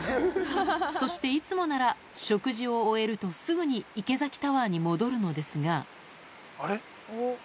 そしていつもなら食事を終えるとすぐに池崎タワーに戻るのですがあれ？